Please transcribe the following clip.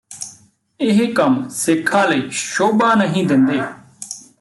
ਇਹ ਕੰਮ ਸਿੱਖਾਂ ਲਈ ਸ਼ੋਭਾ ਨਹੀਂ ਦਿੰਦੇ